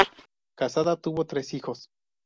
Casado, tuvo tres hijos.